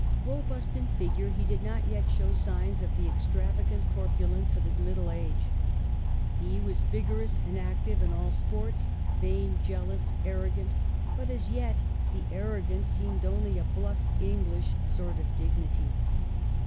Robust in figure, he did not yet show signs of the extravagant corpulence of his middle age. He was vigorous and active in all sports, vain, jealous, arrogant, but as yet the arrogance seemed only a bluff English sort of dignity.